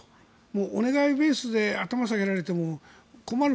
お願いベースで頭を下げられても困る。